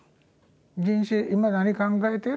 人生今何考えてる？」。